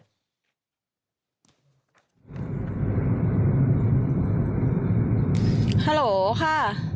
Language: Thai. ฮัลโหลค่ะ